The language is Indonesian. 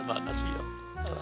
makasih ya allah